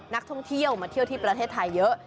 นักท่องเที่ยวมาเที่ยวที่ประเทศไทยเยอะ